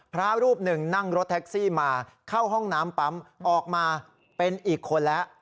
พระรูปหนึ่งนั่งรถแท็กซี่มาเข้าห้องน้ำปั๊มออกมาเป็นอีกคนแล้ว